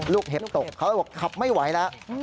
ลูกเห็บตกเขาบอกขับไม่ไหวแล้ว